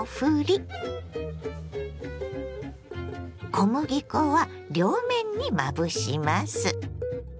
小麦粉は両面にまぶします。